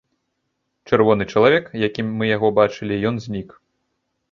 Чырвоны чалавек, якім мы яго бачылі, ён знік.